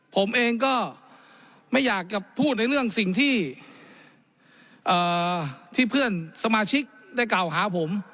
ผมเองก็ไม่อยากจะพูดในเรื่องสิ่งที่เพื่อนสมาชิกได้กล่าวหาผม